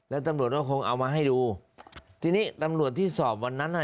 แล้วตำรวจก็คงเอามาให้ดูทีนี้ตำรวจที่สอบวันนั้นอ่ะ